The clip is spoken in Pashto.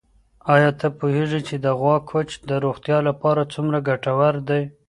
آیا ته پوهېږې چې د غوا کوچ د روغتیا لپاره څومره ګټور دی؟